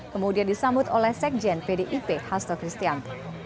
kemudian disambut oleh sekjen pdip hasto kristian